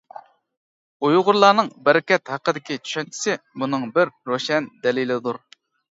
ئۇيغۇرلارنىڭ بەرىكەت ھەققىدىكى چۈشەنچىسى بۇنىڭ بىر روشەن دەلىلىدۇر.